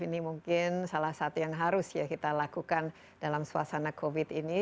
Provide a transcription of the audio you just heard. ini mungkin salah satu yang harus ya kita lakukan dalam suasana covid ini